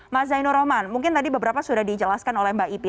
mas zainul rohman mungkin tadi beberapa sudah dijelaskan oleh mbak ipi